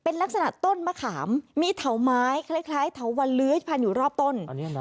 เป็นลักษณะต้นมะขามมีเถาไม้คล้ายเถาวันเลื้อยพันอยู่รอบต้น